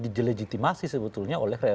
dilegitimasi sebetulnya oleh